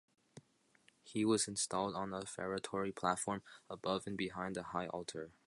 He was installed on a 'feretory platform' above and behind the high altar.